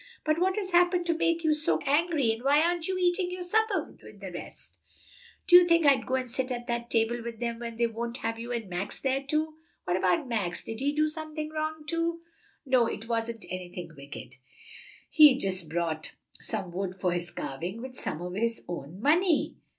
"But what has happened to make you so angry, and why aren't you eating your supper with the rest?" "Do you think I'd go and sit at the table with them when they won't have you and Max there, too?" "What about Max? did he do something wrong, too?" "No; it wasn't anything wicked; he just bought some wood for his carving with some of his own money."